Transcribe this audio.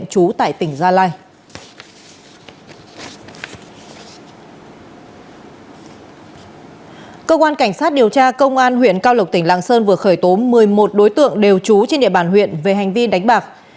cơ quan cảnh sát điều tra công an huyện cao lộc tỉnh lạng sơn vừa khởi tố một mươi một đối tượng đều trú trên địa bàn huyện về hành vi đánh bạc